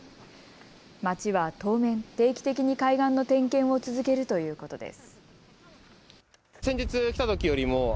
町は当面、定期的に海岸の点検を続けるということです。